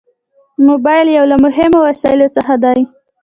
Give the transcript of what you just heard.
موبایل یو له مهمو وسایلو څخه دی.